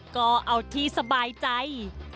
ก็เอาที่สบายใจ